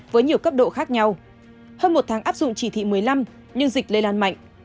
với nhiều cấp độ khác nhau hơn một tháng áp dụng chỉ thị một mươi năm nhưng dịch lây lan mạnh